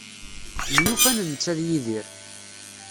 Myufan netta d Yidir.